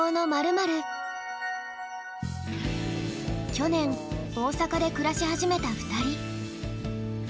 去年大阪で暮らし始めた２人。